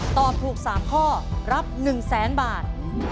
ตอบถูก๓ข้อรับ๑๐๐๐๐๐บาท